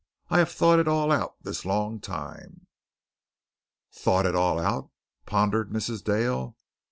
I have thought it all out this long time." "Thought it all out!" pondered Mrs. Dale.